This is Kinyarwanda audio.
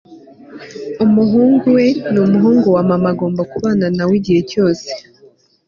umuhungu we ni umuhungu wa mama agomba kubana na we igihe cyose